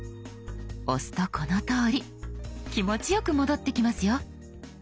押すとこのとおり気持ちよく戻ってきますよ。